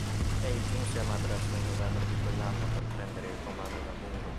Egli giunse a Madras nel novembre di quell'anno per prendere il comando da Munro.